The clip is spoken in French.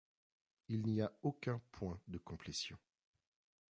Il n'y a aucun point de complétion.